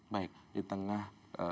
baik di tengah